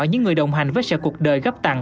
như người đồng hành với sẹo cuộc đời gấp tặng